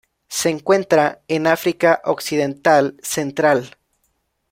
Se encuentra en África occidental central.